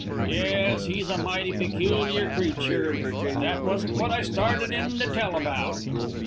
Yes, he's a mighty peculiar creature, but that wasn't what I started in to tell about.